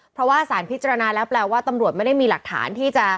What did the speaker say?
เพราะว่าสารพิจารณาแล้วแปลว่าตำรวจไม่ได้มีหลักฐานที่จะ